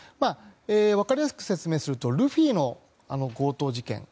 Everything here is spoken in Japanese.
分かりやすく説明するとルフィの強盗事件。